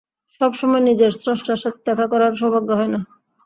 সবসময় নিজের স্রষ্টার সাথে দেখা করার সৌভাগ্য হয় না।